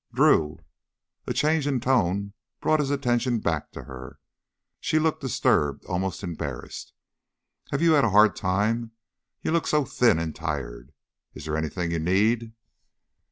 "Drew " A change in tone brought his attention back to her. She looked disturbed, almost embarrassed. "Have you had a hard time? You look so ... so thin and tired. Is there anything you need?"